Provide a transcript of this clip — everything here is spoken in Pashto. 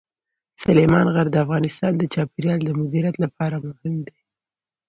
سلیمان غر د افغانستان د چاپیریال د مدیریت لپاره مهم دي.